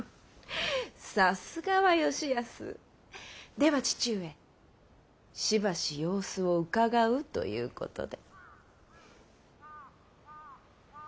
では父上しばし様子をうかがうということで。